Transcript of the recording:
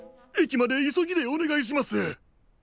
駅まで急ぎでお願いします。